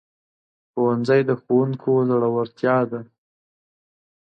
ښوونځی د ښوونکو زړورتیا ده